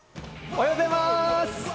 おはようございます！